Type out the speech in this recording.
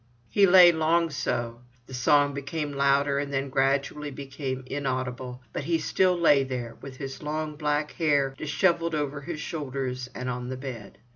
He lay long so. The song became louder, and then gradually became inaudible; but he still lay there, with his long black hair dishevelled over his shoulders and on the bed.